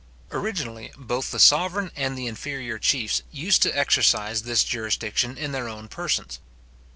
Originally, both the sovereign and the inferior chiefs used to exercise this jurisdiction in their own persons.